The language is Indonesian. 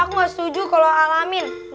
aku nggak setuju kalau al amin